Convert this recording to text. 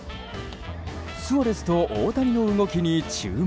スアレスと大谷の動きに注目。